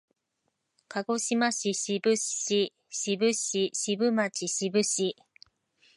鹿児島県志布志市志布志町志布志